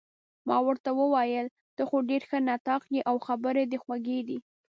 ما ورته وویل: ته خو ډېر ښه نطاق يې، او خبرې دې خوږې دي.